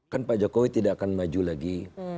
kan pak jokowi tidak akan maju lagi